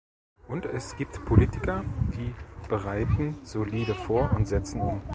Und es gibt Politiker, die bereiten solide vor und setzen um.